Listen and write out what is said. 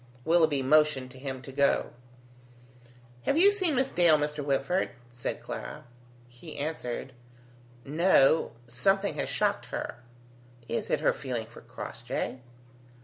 Willoughby motioned to him to go. "Have you seen Miss Dale, Mr. Whitford?" said Clara. He answered, "No. Something has shocked her." "Is it her feeling for Crossjay?"